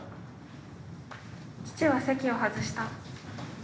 「父は席を外した」。